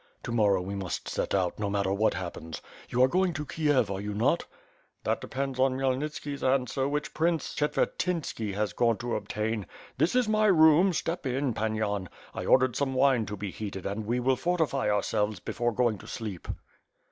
To morrow, we must set out, no matter what happens. You are going to Kiev, are you not?" "That depends on Khmyelnitski's answer which Prince Chetvertynski has gone to obtain. This is my room, step in, Pan Yan. I ordered some wine to be heated and we will for tify ourselves before going to sleep."